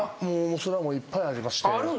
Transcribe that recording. それはもういっぱいありまして。